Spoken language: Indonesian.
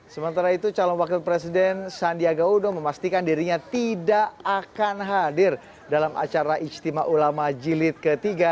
sementara itu calon wakil presiden sandiaga uno memastikan dirinya tidak akan hadir dalam acara istimewa ulama jilid ketiga